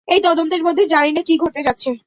এই তদন্তের মধ্যে, জানি না কী ঘটতে যাচ্ছে।